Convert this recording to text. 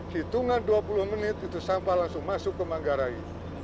hitungan dua puluh menit itu sampah langsung masuk ke manggarai